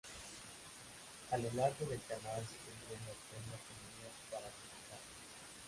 A lo largo del canal se tendían la prendas teñidas para su secado.